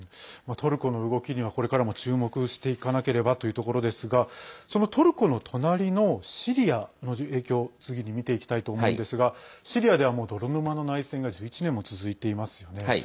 トルコの動きにはこれからも注目していかなければというところですがそのトルコの隣のシリアの影響を次に見ていきたいと思うんですがシリアでは泥沼の内戦が１１年も続いていますよね。